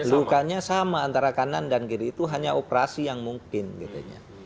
lukanya sama antara kanan dan kiri itu hanya operasi yang mungkin gitunya